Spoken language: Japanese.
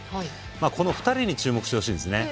この２人に注目してほしいんです。